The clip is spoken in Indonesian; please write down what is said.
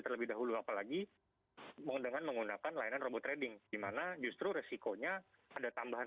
terlebih dahulu apalagi dengan menggunakan layanan robot trading dimana justru resikonya ada tambahan